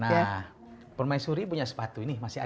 nah permaisuri punya sepatu ini masih ada